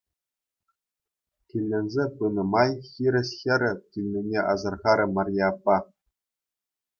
Килленсе пынӑ май хирӗҫ хӗрӗ килнине асӑрхарӗ Марье аппа.